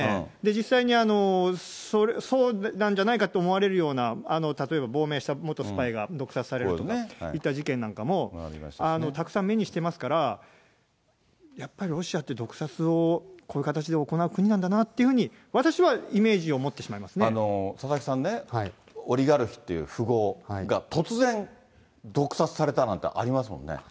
実際に、そうなんじゃないかと思われるような、例えば亡命した元スパイが毒殺されるといった事件なんかもたくさん目にしてますから、やっぱりロシアって毒殺を、こういう形で行う国なんだなっていうふうに、私はイメージを持っ佐々木さんね、オリガルヒっていう富豪が突然、毒殺されたなんてありますもんね。